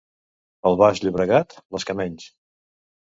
El Baix Llobregat, les que menys.